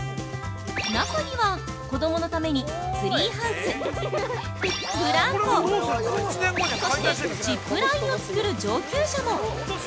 中には、子供のためにツリーハウス、ブランコ、そして、ジップラインを造る上級者も。